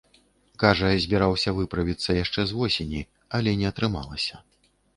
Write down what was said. Кажа, збіраўся выправіцца яшчэ з восені, але не атрымалася.